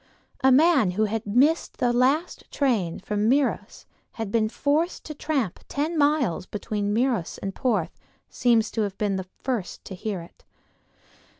A man who had missed the last train from Meiros and had been forced to tramp the ten miles between Meiros and Porth seems to have been the first to hear it.